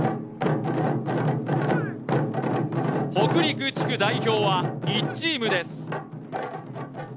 北陸地区代表は１チームです。